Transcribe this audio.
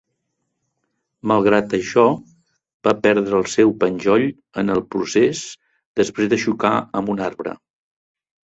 Malgrat això, va perdre el seu penjoll en el procés després de xocar amb un arbre.